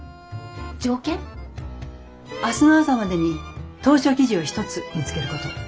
条件？明日の朝までに投書記事を一つ見つけること。